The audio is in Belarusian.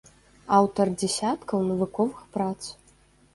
Аўтар дзесяткаў навуковых прац.